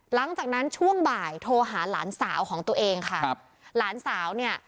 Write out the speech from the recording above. หลังจากนั้นช่วงบ่ายโทรหาหลานสาวของตัวเองค่ะครับหลานสาวเนี่ย